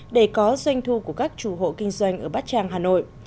để có doanh thu của các chủ hộ kinh doanh ở bát tràng hà nội